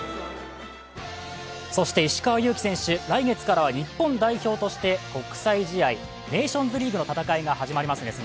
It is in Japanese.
そして石川祐希選手、来月からは日本代表として、国際試合、ネーションズリーグの戦いが始まりますね。